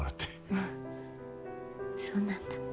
ああそうなんだ。